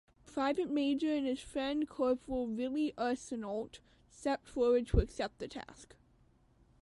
Private Major and his friend Corporal Willie Arseneault stepped forward to accept the task.